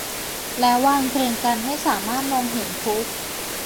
แล้ววางเรียงกันให้สามารถมองเห็นทุก